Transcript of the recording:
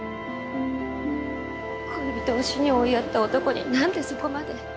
恋人を死に追いやった男に何でそこまで？